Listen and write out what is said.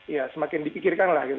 ya semakin dipikirkan lah gitu